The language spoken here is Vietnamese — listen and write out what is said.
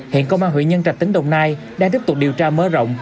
hiện công an huyện nhân trạch tính đồng nai đang tiếp tục điều tra mớ rộng